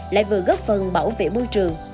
lại vừa góp phần bảo vệ môi trường